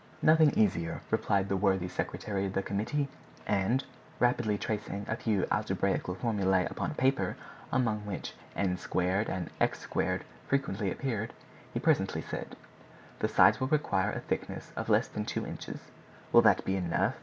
"Nothing easier." replied the worthy secretary of the committee; and, rapidly tracing a few algebraical formulae upon paper, among which _n_2 and _x_2 frequently appeared, he presently said: "The sides will require a thickness of less than two inches." "Will that be enough?"